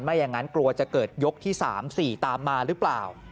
อย่างนั้นกลัวจะเกิดยกที่๓๔ตามมาหรือเปล่า